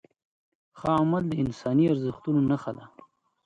ښه عمل د انساني ارزښتونو نښه ده.